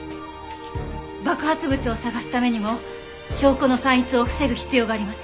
爆発物を捜すためにも証拠の散逸を防ぐ必要があります。